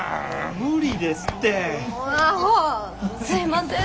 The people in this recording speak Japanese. すいません